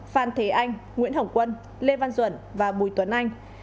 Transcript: phan thế anh nguyễn hồng quân lê văn duẩn và bùi tuấn anh